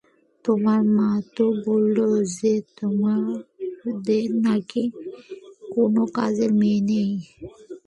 তোমার মা তো বলল যে তোমাদের নাকি কোনো কাজের মেয়েই নেই।